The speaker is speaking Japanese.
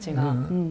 うん。